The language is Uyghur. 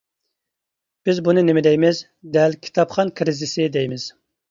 بىز بۇنى نېمە دەيمىز؟ دەل كىتابخان كىرىزىسى دەيمىز!